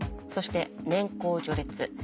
そして年功序列。